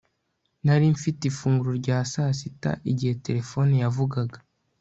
Nari mfite ifunguro rya sasita igihe terefone yavugaga